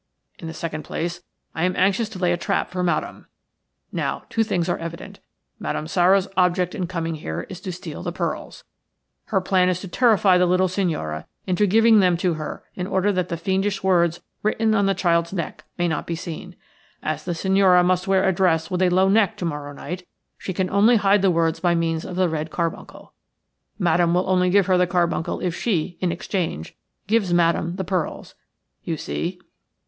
In the second place, I am anxious to lay a trap for Madame. Now, two things are evident. Madame Sara's object in coming here is to steal the pearls. Her plan is to terrify the little signora into giving them to her in order that the fiendish words written on the child's neck may not be seen. As the signora must wear a dress with a low neck to morrow night, she can only hide the words by means of the red carbuncle. Madame will only give her the carbuncle if she, in exchange, gives Madame the pearls. You see?"